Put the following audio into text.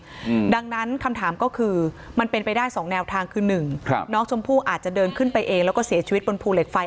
อืมดังนั้นคำถามก็คือมันเป็นไปได้สองแนวทางคือหนึ่งครับน้องชมพู่อาจจะเดินขึ้นไปเองแล้วก็เสียชีวิตบนภูเหล็กไฟ